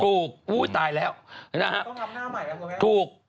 ถูกอุ๊ยตายแล้วต้องทำหน้าใหม่แล้วคุณแม่ถูก